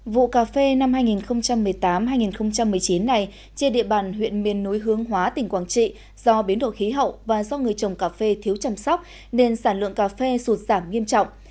vụ cà phê năm hai nghìn một mươi tám hai nghìn một mươi chín này trên địa bàn huyện miền núi hướng hóa tỉnh quảng trị do biến đổi khí hậu và do người trồng cà phê thiếu chăm sóc nên sản lượng cà phê sụt giảm nghiêm trọng